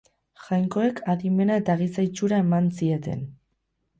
Jainkoek adimena eta giza itxura eman zieten.